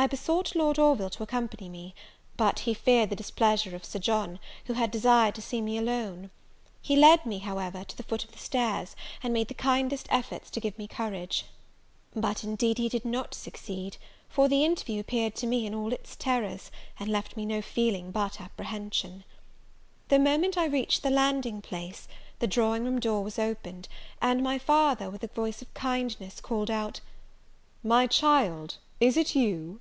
I besought Lord Orville to accompany me; but he feared the displeasure of Sir John, who had desired to see me alone. He led me, however, to the foot of the stairs, and made the kindest efforts to give me courage: but indeed he did not succeed; for the interview appeared to me in all its terrors, and left me no feeling but apprehension. The moment I reached the landing place, the drawing room door was opened: and my father, with a voice of kindness, called out, "My child, is it you?"